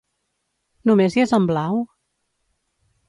Només hi és en blau?